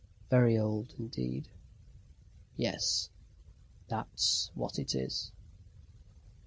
Very old indeed yes, that's what it is!